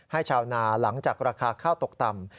ชาวนาหลังจากราคาข้าวตกต่ำ